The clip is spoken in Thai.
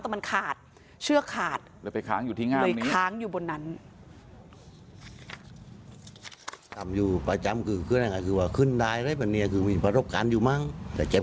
แต่มันขาดเชือกขาดแล้วไปค้างอยู่ที่ง่ายค้างอยู่บนนั้น